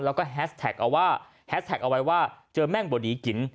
แล้วก็แฮสแท็กเอาไว้ว่าเจอแม่งบดีกิน